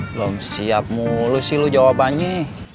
belum siap mulu sih lu jawabannya